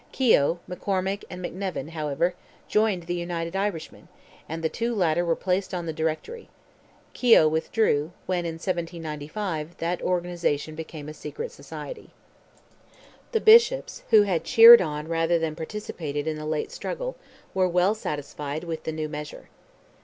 Keogh, McCormick, and McNevin, however, joined the United Irishmen, and the two latter were placed on the Directory. Keogh withdrew, when, in 1795, that organization became a secret society. The Bishops, who had cheered on, rather than participated in the late struggle, were well satisfied with the new measure.